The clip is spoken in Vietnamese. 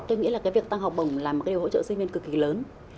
tôi nghĩ là cái việc tăng học bổng là một cái điều hỗ trợ sinh viên cực kỳ lớn